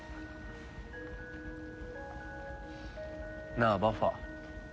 なあバッファ。